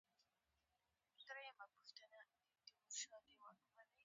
کاري پروګرام د پنجاب توریزم فدراسیون څخه پیلېده.